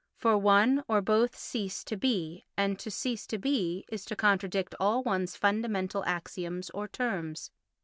For one or both cease to be, and to cease to be is to contradict all one's fundamental axioms or terms.